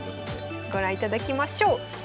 ご覧いただきましょう。